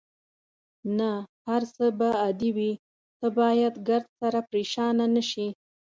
نه، هر څه به عادي وي، ته باید ګردسره پرېشانه نه شې.